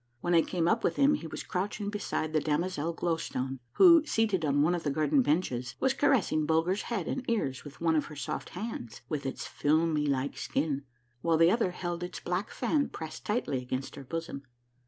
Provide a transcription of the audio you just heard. When I came up with him he was crouching beside the damozel Glow Stone who, seated on one of the garden benches, was caressing Bulger's head and ears with one of her soft hands with its filmy like skin, while the other held its black fan pressed tightly against her bosom.